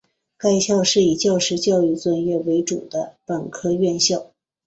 该校是以教师教育专业为主的本科院校。